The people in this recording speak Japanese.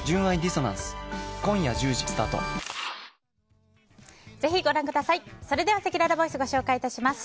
それでは、せきららボイスご紹介致します。